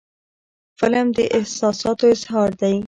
فلم د احساساتو اظهار دی